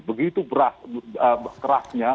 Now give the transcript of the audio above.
begitu beras kerasnya